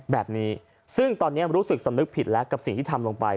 แบบนี้ซึ่งตอนนี้รู้สึกสำนึกผิดแล้วกับสิ่งที่ทำลงไป